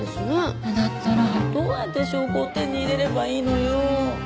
だったらどうやって証拠を手に入れればいいのよ。